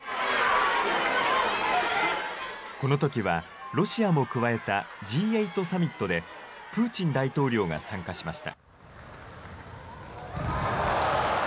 このときはロシアも加えたＧ８サミットで、プーチン大統領が参加しました。